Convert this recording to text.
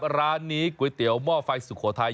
ร้านนี้ก๋วยเตี๋ยวหม้อไฟสุโขทัย